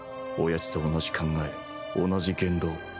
親父と同じ考え同じ言動